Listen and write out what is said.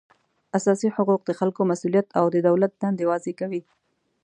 اساسي حقوق د خلکو مسولیت او د دولت دندې واضح کوي